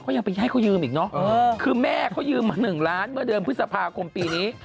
เขายังไปให้เขายืมอีกเนอะคือแม่เขายืมมา๑ล้านเมื่อเดือนพฤษภาคมปีนี้